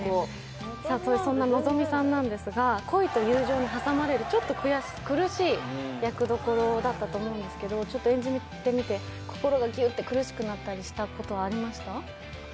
そんな希美さんなんですが、恋と友情に挟まれるちょっと苦しい役どころだったと思うんですけれども、演じてみて、心がギュッと苦しくなったこと、ありました？